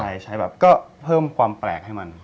ใช่ใช้แบบก็เพิ่มความแปลกให้มัน